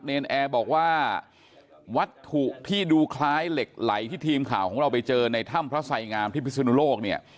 นแอร์บอกว่าวัตถุที่ดูคล้ายเหล็กไหลที่ทีมข่าวของเราไปเจอในถ้ำพระไสงามที่พิศนุโลกเนี่ย